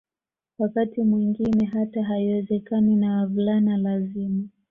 Wakati mwingine hata haiwezekani na wavulana lazima